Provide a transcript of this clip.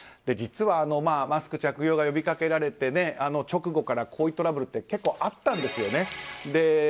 実はマスク着用が呼びかけられて、直後からこういうトラブルって結構あったんですよね。